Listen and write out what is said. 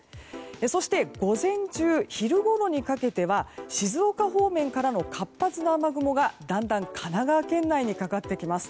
そして午前中、昼ごろにかけては静岡方面からの活発な雨雲がだんだん神奈川県内にかかってきます。